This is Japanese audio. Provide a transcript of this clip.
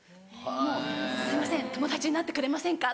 もう「すいません友達になってくれませんか」